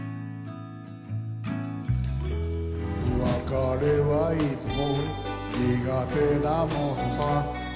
「別れはいつも苦手なものさ」